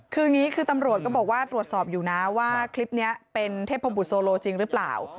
คืออย่างนี้คือตำรวจก็บอกว่าตรวจสอบอยู่นะว่าคลิปนี้เป็นเทพบุตรโซโลจริงหรือเปล่า